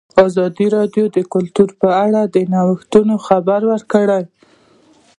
ازادي راډیو د کلتور په اړه د نوښتونو خبر ورکړی.